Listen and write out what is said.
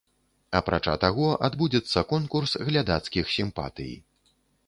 Апрача таго, адбудзецца конкурс глядацкіх сімпатый.